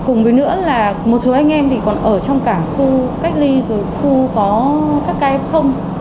cùng với nữa là một số anh em còn ở trong cả khu cách ly khu có các ca ép không